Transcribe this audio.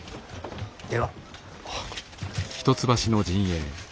では。